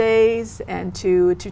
giữa hai quốc gia